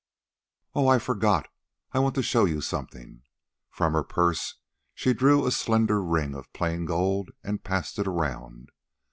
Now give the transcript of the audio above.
"Oh! I forgot! I want to show you something." From her purse she drew a slender ring of plain gold and passed it around.